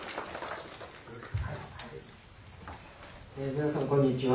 皆さんこんにちは。